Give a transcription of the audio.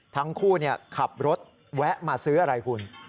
ทั้งคู่ขับรถแวะมาซื้ออะไรคุณ